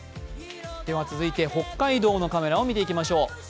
続いて北海道のカメラを見てきましょう。